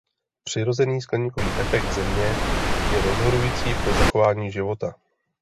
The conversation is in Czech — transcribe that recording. Přirozený skleníkový efekt Země je rozhodující pro zachování života.